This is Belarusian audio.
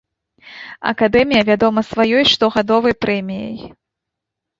Акадэмія вядома сваёй штогадовай прэміяй.